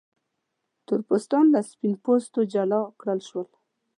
تور پوستان له سپین پوستو جلا کړل شول.